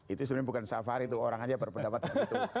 itu sebenarnya bukan safari itu orang aja berpendapatan itu